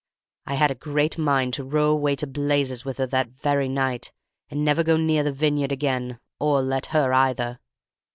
I had a great mind to row away to blazes with her that very night, and never go near the vineyard again, or let her either.